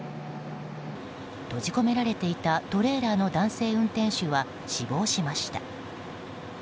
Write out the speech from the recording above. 閉じ込められていたトレーラーの男性運転手は死亡しました。